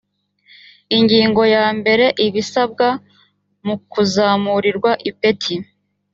ingingo ya mbere ibisabwa mu kuzamurirwa ipeti